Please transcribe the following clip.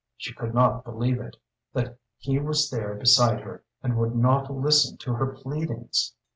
She could not believe it that he was there beside her and would not listen to her pleadings.